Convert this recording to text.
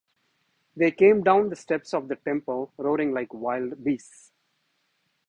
They came down the steps of the temple roaring like wild beasts.